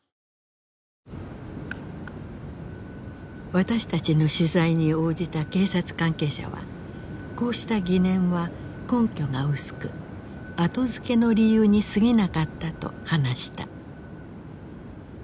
私たちの取材に応じた警察関係者はこうした疑念は根拠が薄く後付けの理由にすぎなかったと話した。